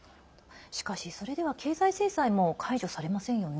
しかし、それでは経済制裁も解除されませんよね？